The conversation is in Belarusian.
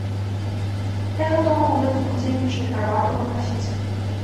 Я гатовы ў гэтым удзельнічаць, гарбату вам насіць.